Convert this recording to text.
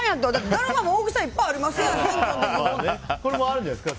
だるま大きさいっぱいありますやん！